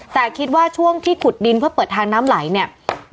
แต่คิดว่าช่วงที่ขุดดินเพื่อเปิดทางน้ำไหลเนี่ย